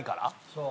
そう。